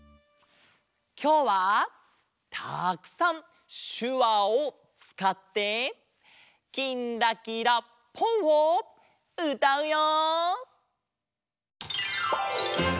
きょうはたくさんしゅわをつかって「きんらきらぽん」をうたうよ！